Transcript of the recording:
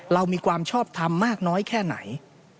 เรามีความชอบทำมากน้อยแค่ไหน